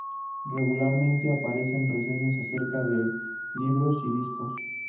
Regularmente aparecen reseñas acerca de libros y discos.